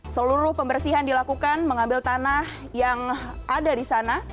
seluruh pembersihan dilakukan mengambil tanah yang ada di sana